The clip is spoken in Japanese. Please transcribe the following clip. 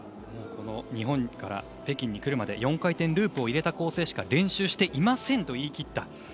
日本から北京に来るまで４回転ループを入れた構成しか練習してませんと話していました。